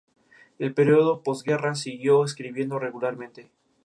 En el período de postguerra, siguió escribiendo regularmente.